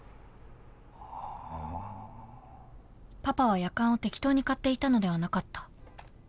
［パパはやかんを適当に買っていたのではなかった］